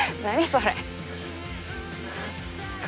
それ。